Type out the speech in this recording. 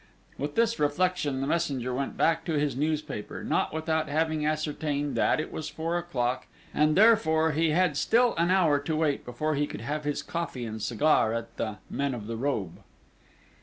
With this reflection the messenger went back to his newspaper, not without having ascertained that it was four o'clock, and therefore he had still an hour to wait before he could have his coffee and cigar at the "Men of the Robe."